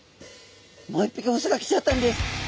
もう一匹オスが来ちゃったんです。